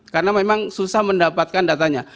karena memang susah mendapatkan datanya